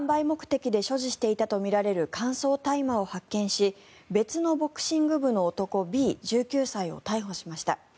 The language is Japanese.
販売目的で所持していたとみられる乾燥大麻を発見し別のボクシング部の男Ｂを逮捕しました。